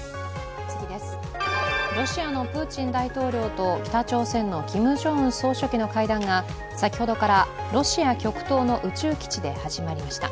ロシアのプーチン大統領と北朝鮮のキム・ジョンウン総書記の会談が先ほどからロシア極東の宇宙基地で始まりました。